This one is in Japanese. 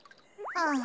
ああ。